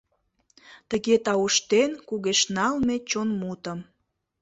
Тыге тауштен кугешналме чон мутым.